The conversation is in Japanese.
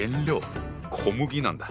小麦なんだ。